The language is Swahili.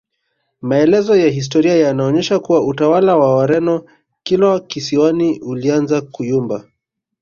Maelezo ya historia yanaonyesha kuwa utawala wa Wareno Kilwa kisiwani ulianza kuyumba